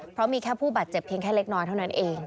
เพราะมีแค่ผู้บาดเจ็บเพียงแค่เล็กน้อยเท่านั้นเอง